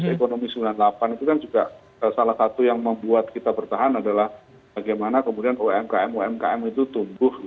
ekonomi sembilan puluh delapan itu kan juga salah satu yang membuat kita bertahan adalah bagaimana kemudian umkm umkm itu tumbuh